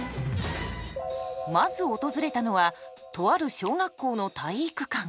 まず訪れたのはとある小学校の体育館。